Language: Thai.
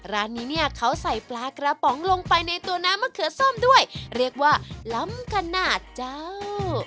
ร้านนี้เนี่ยเขาใส่ปลากระป๋องลงไปในตัวน้ำมะเขือส้มด้วยเรียกว่าล้ำขนาดเจ้า